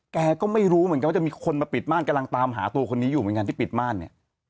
แกก็ไม่รู้เหมือนกันว่าจะมีคนมาปิดม่านกำลังตามหาตัวคนนี้อยู่เหมือนกันที่ปิดม่านเนี่ย